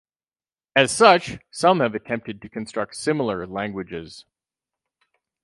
As such, some have attempted to construct similar languages.